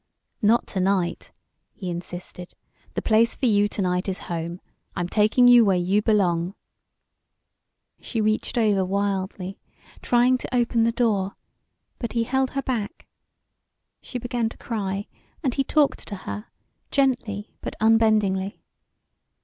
"Not to night," he insisted; "the place for you to night is home. I'm taking you where you belong." She reached over wildly, trying to open the door, but he held her back; she began to cry, and he talked to her, gently but unbendingly.